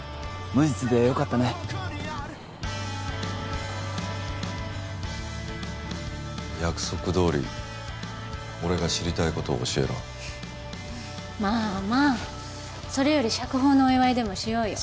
無実でよかったね約束どおり俺が知りたいことを教えろまあまあそれより釈放のお祝いでもしようよ